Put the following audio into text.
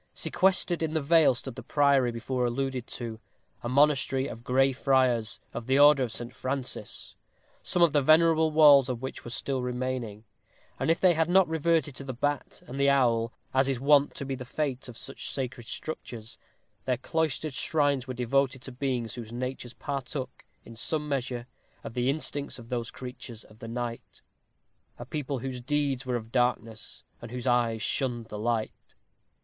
Sequestered in the vale stood the Priory before alluded to a Monastery of Gray Friars, of the Order of St. Francis some of the venerable walls of which were still remaining; and if they had not reverted to the bat and the owl, as is wont to be the fate of such sacred structures, their cloistered shrines were devoted to beings whose natures partook, in some measure, of the instincts of those creatures of the night a people whose deeds were of darkness, and whose eyes shunned the light.